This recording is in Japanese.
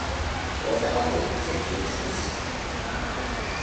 大阪府摂津市